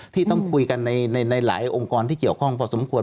ที่ต้องคุยกันในหลายองค์กรที่เกี่ยวข้องพอสมควร